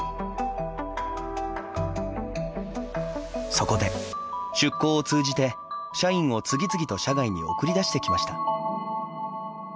そこで出向を通じて社員を次々と社外に送り出してきました。